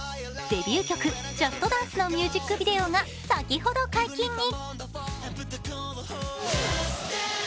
デビュー曲「ＪＵＳＴＤＡＮＣＥ！」のミュージックビデオが先ほど解禁に。